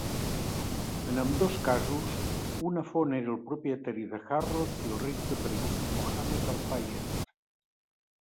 En ambdós casos, una font era el propietari de Harrods i el Ritz de París, Mohammed Al-Fayed.